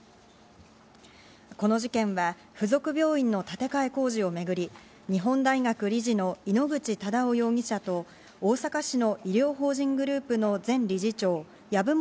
この事件は附属病院の建て替え工事をめぐり、日本大学理事の井ノ口忠男容疑者と大阪市の医療法人グループの前理事長、籔本